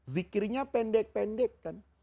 zikirnya pendek pendek kan